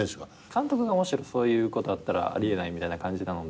監督がそういうことあったらあり得ないみたいな感じなので。